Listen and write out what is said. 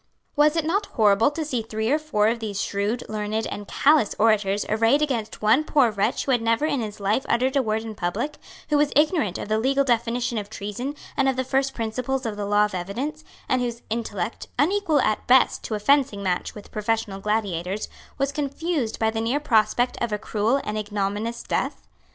Was it not horrible to see three or four of these shrewd, learned and callous orators arrayed against one poor wretch who had never in his life uttered a word in public, who was ignorant of the legal definition of treason and of the first principles of the law of evidence, and whose intellect, unequal at best to a fencing match with professional gladiators, was confused by the near prospect of a cruel and ignominious death?